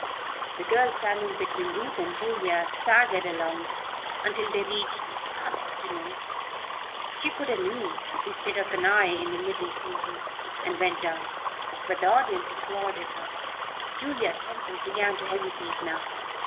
The girl standing between Ruth and Julia staggered along until they reached "abstinence"; she put an "e" instead of an "i" in the middle syllable, and went down. But the audience applauded her. Julia Semple began to hesitate now.